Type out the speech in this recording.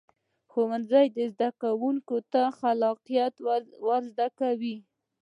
ښوونځی زده کوونکو ته خلاقیت ورزده کوي